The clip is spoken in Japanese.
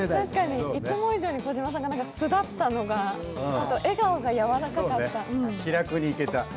確かにいつも以上に児嶋さんが素だったのが、笑顔がやわらかかった。